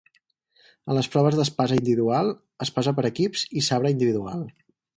En les proves d'espasa individual, espasa per equips i sabre individual.